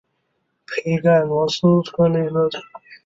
佩盖罗勒德莱斯卡莱特。